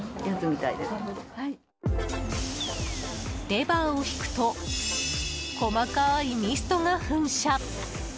レバーを引くと細かいミストが噴射。